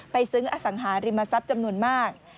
ซึ้งอสังหาริมทรัพย์จำนวนมาก